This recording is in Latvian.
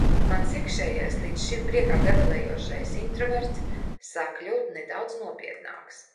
Mans iekšējais, līdz šim priekā gavilējošais introverts sāk kļūt nedaudz nopietnāks.